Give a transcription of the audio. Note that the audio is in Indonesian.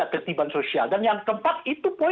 akibat dari itu apa